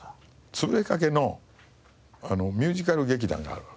潰れかけのミュージカル劇団があるわけですよ。